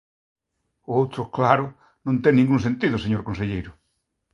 O outro, claro, non ten ningún sentido, señor conselleiro.